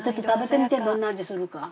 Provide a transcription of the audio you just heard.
どんな味するか。